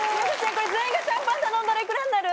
これ全員がシャンパン頼んだら幾らになる？